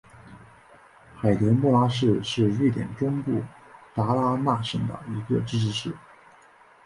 海德穆拉市是瑞典中部达拉纳省的一个自治市。